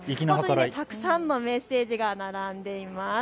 たくさんのメッセージが並んでいます。